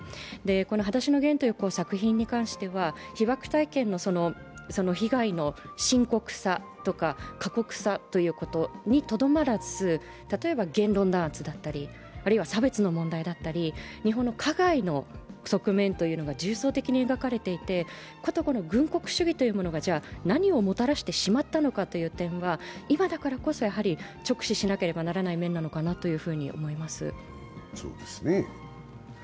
「はだしのゲン」という作品に関しては被ばく体験の被害の深刻さとか過酷さということにとどまらず例えば言論弾圧だったりあるいは差別の問題だったり日本の加害の側面というのが重層的に描かれていて、こと軍国主義というものが何をもたらしてしまったのかという点は今だからこそ直視しなければならない面なのかなというふうに思います。